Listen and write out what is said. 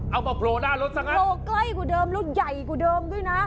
เอามาโพลอีกทีที่หน้ารถซะไงโพลอีกทีใกล้กว่าเดิมรถใหญ่กว่าเดิมด้วยน่ะ